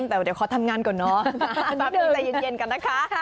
ที้แต่เย็นกันนะคะ